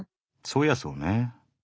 そういやそうね。